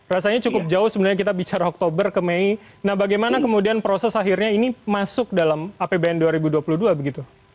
rasanya cukup jauh sebenarnya kita bicara oktober ke mei nah bagaimana kemudian proses akhirnya ini masuk dalam apbn dua ribu dua puluh dua begitu